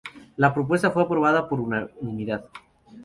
La propuesta fue aprobada por unanimidad.